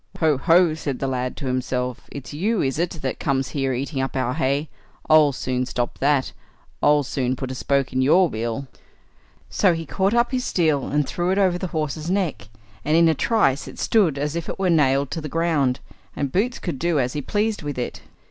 "Ho, ho!" said the lad to himself, "it's you, is it, that comes here eating up our hay? I'll soon stop that—I'll soon put a spoke in your wheel." So he caught up his steel and threw it over the horse's neck, and in a trice it stood as if it were nailed to the ground, and Boots could do as he pleased with it.